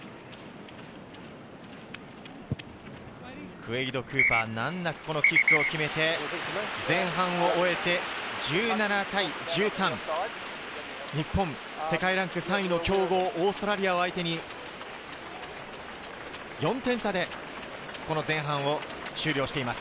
クウェイド・クーパー、難なくこのキックを決めて、前半を終えて、１７対１３。日本、世界ランク３位の強豪オーストラリアを相手に４点差でこの前半を終了しています。